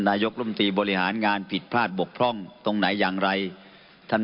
นายกรมตรีบริหารงานผิดพลาดบกพร่องตรงไหนอย่างไรท่าน